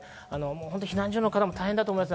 避難所の方も大変だと思います。